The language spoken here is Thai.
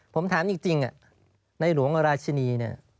ผมถามจริงนายหลวงราชนีนี่